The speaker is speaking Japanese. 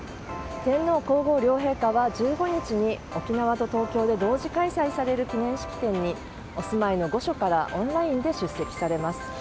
天皇・皇后両陛下は１５日に沖縄と東京で同時開催される記念式典にお住まいの御所からオンラインで出席されます。